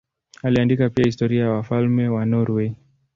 Aliandika pia historia ya wafalme wa Norwei.